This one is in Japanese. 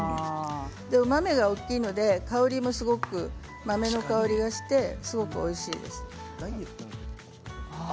お豆が大きいのですごく豆の香りがしてすごくおいしいです。